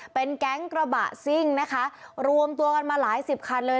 เป็นแก๊งกระบะซิ่งนะคะรวมตัวกันมาหลายสิบคันเลย